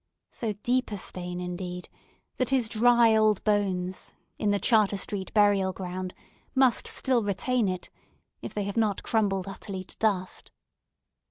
So deep a stain, indeed, that his dry old bones, in the Charter street burial ground, must still retain it, if they have not crumbled utterly to dust!